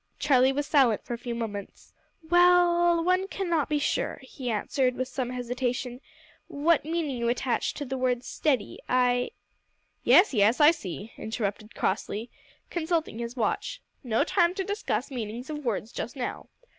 Charlie was silent for a few moments. "Well, one cannot be sure," he answered, with some hesitation, "what meaning you attach to the word `steady.' I " "Yes, yes, I see," interrupted Crossley, consulting his watch. "No time to discuss meanings of words just now.